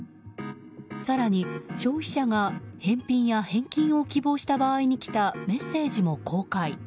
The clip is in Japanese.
更に消費者が返品や返金を希望した場合に来たメッセージも公開。